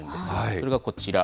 それがこちら。